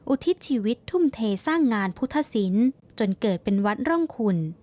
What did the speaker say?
อุทิศชีวิตทุ่มเทสร้างงานพุทธศิลป์จนเกิดเป็นวัดร่องคุณ